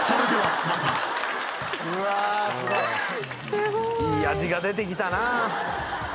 すごい。いい味が出てきたなぁ。